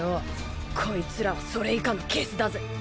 こいつらはそれ以下のゲスだぜ。